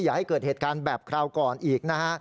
อย่าให้เกิดเหตุการณ์แบบคราวก่อนอีกนะฮะ